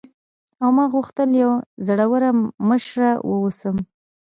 او ما غوښتل یوه زړوره مشره واوسم.